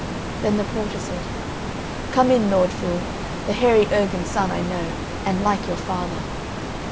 Then the porter said: "Come in, lord fool; the Hairy Urgan's son, I know, and like your father."